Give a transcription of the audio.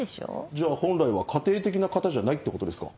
じゃあ本来は家庭的な方じゃないってことですか？